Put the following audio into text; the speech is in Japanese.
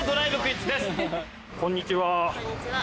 こんにちは。